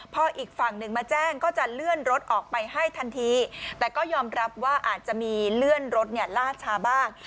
พออีกฝั่งหนึ่งมาแจ้งก็จะเลื่อนรถออกไปให้ทันทีแต่ก็ยอมรับว่าอาจจะมีเลื่อนรถเนี่ยลาดชาบ้าง